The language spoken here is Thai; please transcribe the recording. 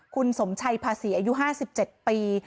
คุณสมชัยภาษีอายุ๕๗ปี